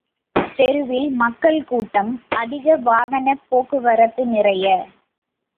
தெருவில், மக்கள் கூட்டம் அதிகம் வாகனப் போக்கு வரத்து நிறைய.